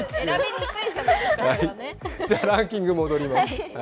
じゃ、ランキングに戻ります。